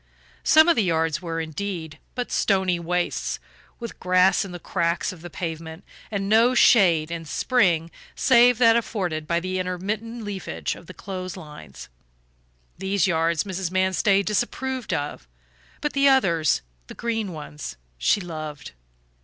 Some of the yards were, indeed, but stony wastes, with grass in the cracks of the pavement and no shade in spring save that afforded by the intermittent leafage of the clothes lines. These yards Mrs. Manstey disapproved of, but the others, the green ones, she loved.